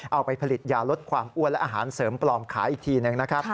เอาไปผลิตยาลดความอ้วนและอาหารเสริมปลอมขายอีกทีหนึ่งนะครับ